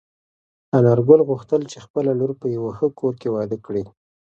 انارګل غوښتل چې خپله لور په یوه ښه کور کې واده کړي.